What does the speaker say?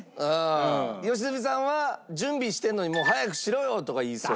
良純さんは準備してるのに「早くしろよ！」とか言いそう。